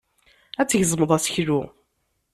Ad tgezmeḍ aseklu.